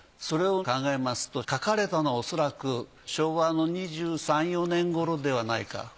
それを考えますと書かれたのはおそらく昭和の２３２４年ごろではないか。